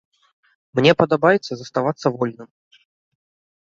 Мне падабаецца заставацца вольным.